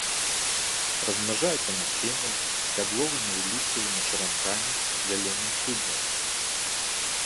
Размнажаюцца насеннем, сцябловымі і лісцевымі чаранкамі, дзяленнем клубняў.